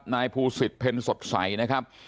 นายภูศิษฐเพ็ญสดใสนะครับ